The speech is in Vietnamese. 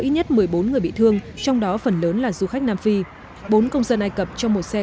ít nhất một mươi bốn người bị thương trong đó phần lớn là du khách nam phi bốn công dân ai cập trong một xe